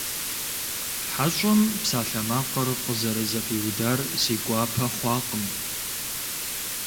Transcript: ХьэщӀэм псалъэмакъыр къызэрызэпиудар си гуапэ хъуакъым.